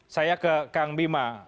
saya ke kang bima